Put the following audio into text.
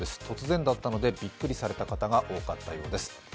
突然だったのでびっくりされた方が多かったようです。